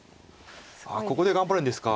ここで頑張るんですか。